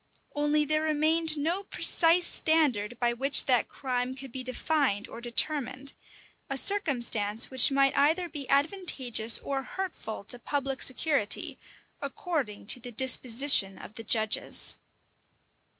Only there remained no precise standard by which that crime could be defined or determined; a circumstance which might either be advantageous or hurtful to public security, according to the disposition of the judges.